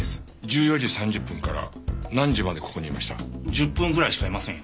１０分ぐらいしかいませんよ。